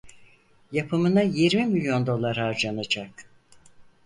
Yapımına yirmi milyon dolar harcanacak.